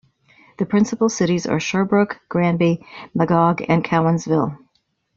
The principal cities are Sherbrooke, Granby, Magog, and Cowansville.